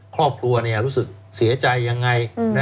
ครอบครัวรู้สึกเสียใจยังไง